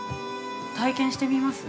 ◆体験してみます？